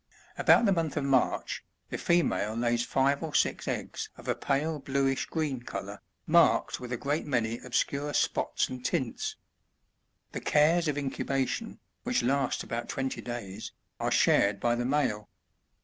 About the month of March, the female lays five or six eggs of a pale bluish green colour, marked with a great many obscure spots and tints. The cares of incubation, which lasts about twenty days, are shared by the male.